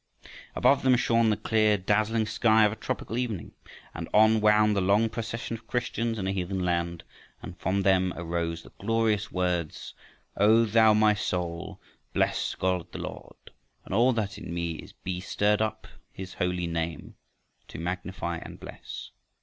Above them shone the clear dazzling sky of a tropical evening. And on wound the long procession of Christians in a heathen land, and from them arose the glorious words: O thou, my soul, bless God the Lord, And all that in me is Be stirred up his holy name To magnify and bless.